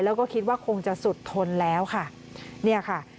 แล้วก็คิดว่าคงจะสุดทนแล้วค่ะเนี่ยค่ะ